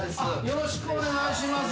よろしくお願いします。